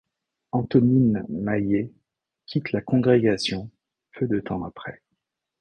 Antonine Maillet quitte la congrégation peu de temps après.